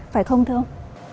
phải không thưa ông